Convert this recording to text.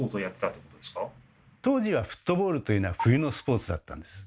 当時はフットボールというのは冬のスポーツだったんです。